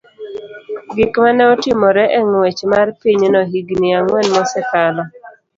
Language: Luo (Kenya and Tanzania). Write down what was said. gik ma ne otimore e ng'wech mar pinyno higini ang'wen mosekalo,